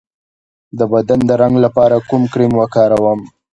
د بدن د رنګ لپاره کوم کریم وکاروم؟